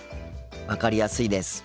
分かりやすいです。